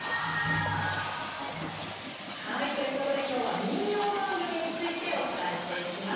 はい、ということで今日は民謡番組についてお伝えしていきます。